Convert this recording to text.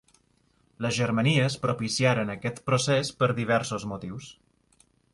Les germanies propiciaren aquest procés per diversos motius.